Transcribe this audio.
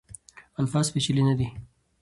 الفاظ پیچلي نه دي.